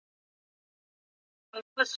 څېړنه روزني او تجربې ته اړتیا لري.